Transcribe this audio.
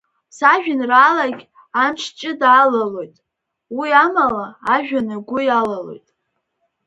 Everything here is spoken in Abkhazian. Сажәеинраалагь амч ҷыда алалоит, уи амала, ажәҩан агәы иалалоит…